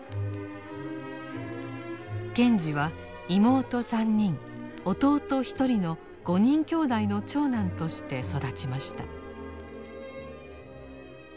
賢治は妹３人弟１人の５人きょうだいの長男として育ちました。